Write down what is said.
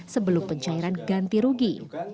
sebelum pencairan ganti rugi